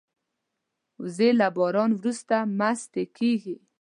وزې له باران وروسته مستې کېږي